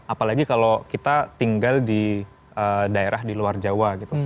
apalagi kalau kita tinggal di daerah di luar jawa gitu